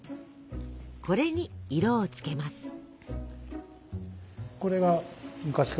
これに色をつけます。